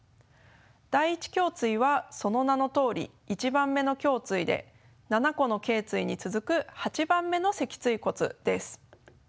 第１胸椎はその名のとおり１番目の胸椎で７個のけい椎に続く８番目の脊椎骨です。